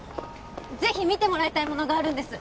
ぜひ見てもらいたいものがあるんです